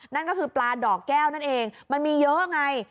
นั่นก็คือปลาดอกแก้วนั่นเองมันมีเยอะไง